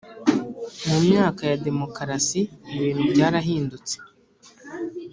Mu myaka ya Demokarasi ibintu byarahindutse